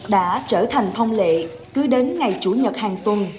đã trở thành thông lệ cứ đến ngày chủ nhật hàng tuần